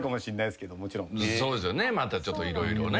そうですよねまたちょっと色々ね。